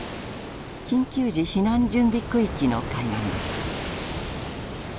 緊急時避難準備区域の海岸です。